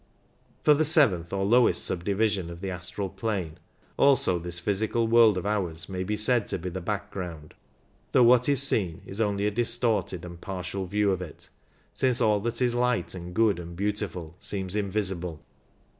For the seventh or lowest subdivision of the astral plane also this physical world of ours may be said to be the back ground, though what is seen is only a distorted and partial view of it, since all that is light and good and beautiful seems invisible.